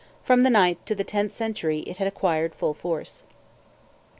From the ninth to the tenth century it had acquired full force.